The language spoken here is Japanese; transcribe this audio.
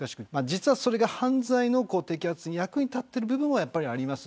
実はそれが犯罪の摘発の役に立っている部分はあります。